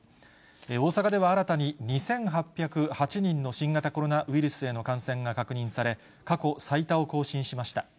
大阪では新たに２８０８人の、新型コロナウイルスへの感染が確認され、過去最多を更新しました。